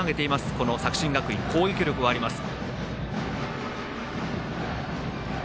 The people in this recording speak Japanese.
この作新学院、攻撃力はあります。